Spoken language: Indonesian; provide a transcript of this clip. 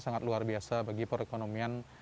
sangat luar biasa bagi perekonomian